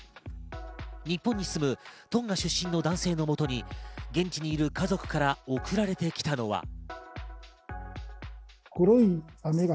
日本に住むトンガ出身の男性のもとに、現地にいる家族から送られてきたのは。